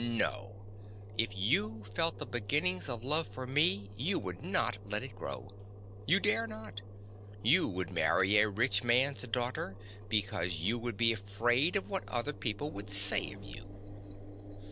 No: if you felt the beginnings of love for me you would not let it grow. You dare not: you would marry a rich man's daughter because you would be afraid of what other people would say of you.